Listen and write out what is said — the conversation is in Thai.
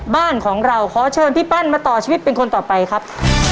บ้านของเราขอเชิญพี่ปั้นมาต่อชีวิตเป็นคนต่อไปครับ